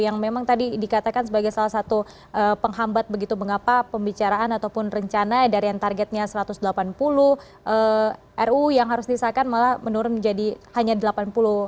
yang memang tadi dikatakan sebagai salah satu penghambat begitu mengapa pembicaraan ataupun rencana dari yang targetnya satu ratus delapan puluh ru yang harus disahkan malah menurun menjadi hanya delapan puluh